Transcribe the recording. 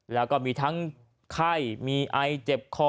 แล้วก็มีทั้งไข้มีไอเจ็บคอ